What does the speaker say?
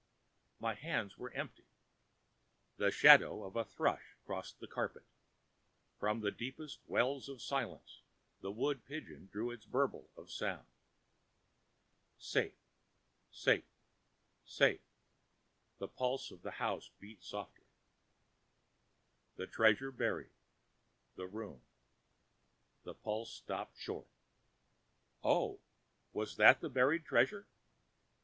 My hands were empty. The shadow of a thrush crossed the carpet; from the deepest wells of silence the wood pigeon drew its bubble of sound. "Safe, safe, safe," the pulse of the house beat softly. "The treasure buried; the room ..." the pulse stopped short. Oh, was that the buried treasure?